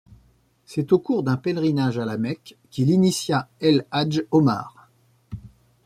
C'est au cours d'un pèlerinage à La Mecque qu'il initia El Hadj Omar.